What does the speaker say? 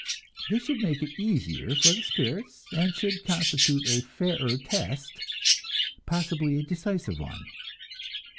This should make it easier for the spirits, and should constitute a fairer test, possibly a decisive one.